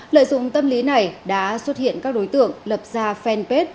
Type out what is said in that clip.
lợi dụng tâm lý này đã xuất hiện các đối tượng lập ra fanpage